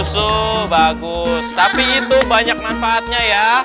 usuh bagus tapi itu banyak manfaatnya ya